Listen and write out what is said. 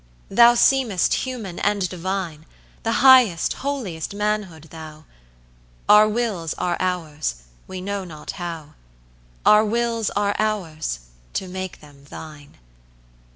Thou seemest human and divine, The highest, holiest manhood, thou: Our wills are ours, we know not how; Our wills are ours, to make them thine.